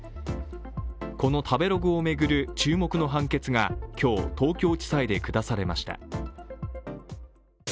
この食べログを巡る注目の判決が今日、東京地裁で下されました。